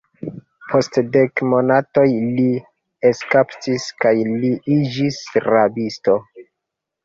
Post dek monatoj li eskapis kaj li iĝis rabisto.